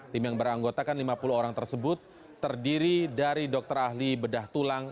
tim yang beranggotakan lima puluh orang tersebut terdiri dari dokter ahli bedah tulang